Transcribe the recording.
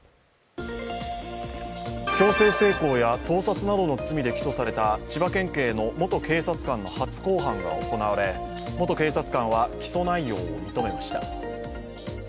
強制性交や盗撮などの罪で起訴された千葉県警の元警察官の初公判が行われ元警察官は起訴内容を認めました。